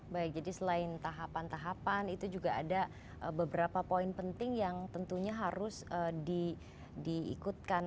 baik jadi selain tahapan tahapan itu juga ada beberapa poin penting yang tentunya harus diikutkan